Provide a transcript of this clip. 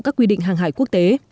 các quy định hàng hải quốc tế